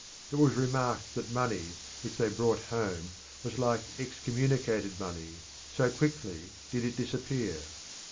It was remarked that the money which they brought home was like excommunicated money, so quickly did it disappear.